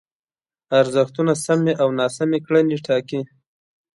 ارزښتونه سمې او ناسمې کړنې ټاکي.